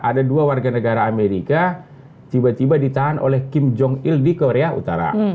ada dua warga negara amerika tiba tiba ditahan oleh kim jong il di korea utara